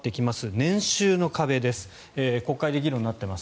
年収の壁です。